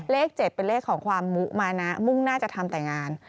เลข๗เป็นเลขของความมุมานะมุ่งหน้าจะทำแต่งาน